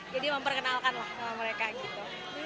jadi memperkenalkan lah sama mereka gitu